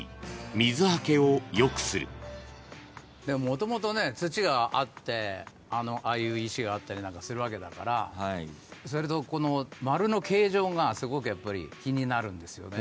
もともと土があってああいう石があったりするわけだから丸の形状がすごくやっぱり気になるんですよね。